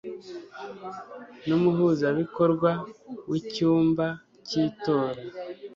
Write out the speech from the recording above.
n umuhuzabikorwa w icyumba cy itora